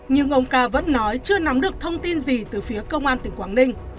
nhưng ông ca vẫn nói chưa nắm được thông tin gì từ phía công an tỉnh quảng ninh